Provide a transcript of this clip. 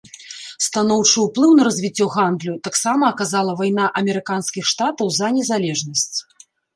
Станоўчы ўплыў на развіццё гандлю таксама аказала вайна амерыканскіх штатаў за незалежнасць.